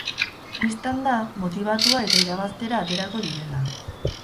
Bistan da, motibatuta eta irabaztera aterako direla.